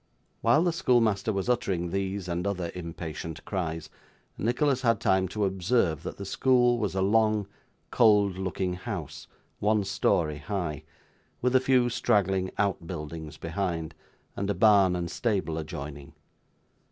While the schoolmaster was uttering these and other impatient cries, Nicholas had time to observe that the school was a long, cold looking house, one storey high, with a few straggling out buildings behind, and a barn and stable adjoining.